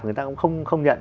người ta cũng không nhận